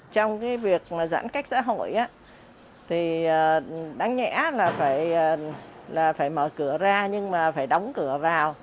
trong cái việc mà giãn cách xã hội thì đáng nhẽ là phải mở cửa ra nhưng mà phải đóng cửa vào